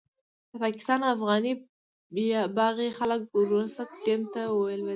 د پاکستان افغاني باغي خلک ورسک ډېم ته ولوېدل.